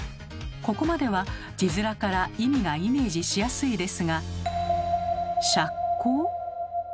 ここまでは字面から意味がイメージしやすいですが「赤口」？